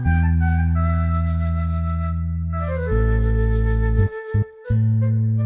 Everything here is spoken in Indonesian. enggak tak ada yang croc